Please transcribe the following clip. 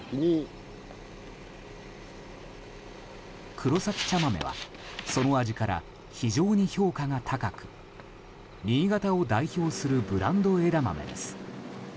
くろさき茶豆は、その味から非常に評価が高く新潟を代表するブランド枝豆です。